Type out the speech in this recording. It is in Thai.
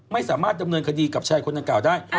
ไม่สามารถดำเนินคดีกับชายคนดังกล่าวได้